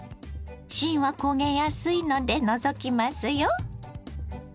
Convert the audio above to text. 芯は焦げやすいので除きますよ。